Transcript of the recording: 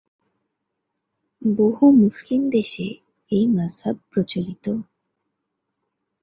বহু মুসলিম দেশে এই মাযহাব প্রচলিত।